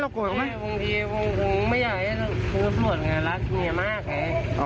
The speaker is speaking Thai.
ตุ๊กติ๋วี่ยเรากอบที่มีเธอที่รักเมียมากไหม